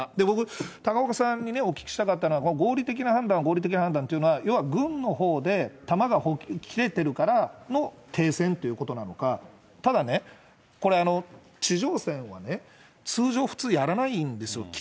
僕、高岡さんにね、お聞きしたかったのは、合理的な判断、合理的な判断というのは、要は軍のほうで弾が切れてるからの停戦ということなのか、ただね、これ、地上戦は通常、普通やらないんですよ。